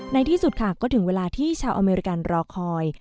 ในที่สุดค่ะก็ถึงเวลาที่ชาวอเมริกันรอคอย